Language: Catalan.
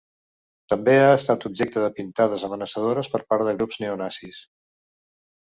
També ha estat objecte de pintades amenaçadores per part de grups neonazis.